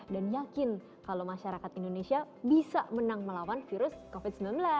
dan yakin kalau masyarakat indonesia bisa menang melawan virus covid sembilan belas